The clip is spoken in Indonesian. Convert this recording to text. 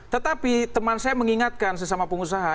tetapi teman saya mengingatkan sesama pengusaha